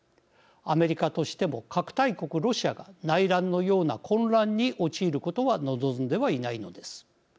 アメリカとしても核大国ロシアが内乱のような混乱に陥ることは望んではいないのです。